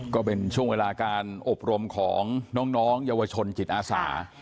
ก็เป็นช่วงเวลาการอบรมของน้องเยาวชนจิตอาสา